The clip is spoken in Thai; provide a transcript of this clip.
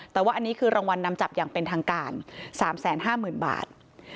แต่ว่าอันนี้คือรางวัลนำจับอย่างเป็นทางการ๓๕๐๐๐บาท